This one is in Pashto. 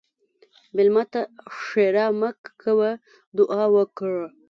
مېلمه ته ښیرا مه کوه، دعا وکړه.